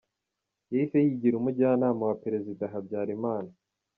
Yahise yigira Umujyanama wa Perezida Habyarimana.